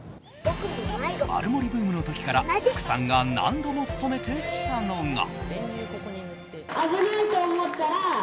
「マルモリ」ブームの時から福さんが何度も務めてきたのが。